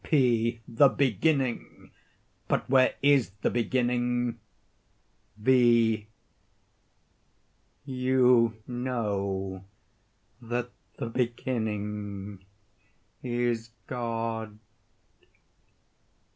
P. The beginning! But where is the beginning? V. You know that the beginning is GOD.